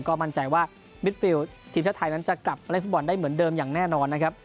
ก็มั่นใจว่ามิดฟิลทีมชาติไทยนั้นจะกลับมาเล่นฟุตบอลได้เหมือนเดิมอย่างแน่นอนนะครับ